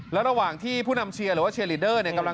และระหว่างที่ผู้นำเชียร์หรือว่าเชียร์ลีดเดอร์